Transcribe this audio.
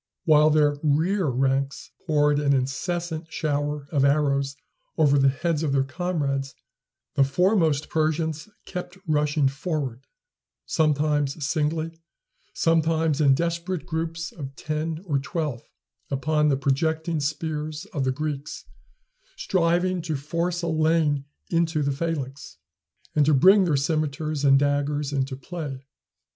While their rear ranks poured an incessant shower of arrows over the heads of their comrades, the foremost Persians kept rushing forward, sometimes singly, sometimes in desperate groups of ten or twelve, upon the projecting spears of the Greeks, striving to force a lane into the phalanx, and to bring their cimeters and daggers into play.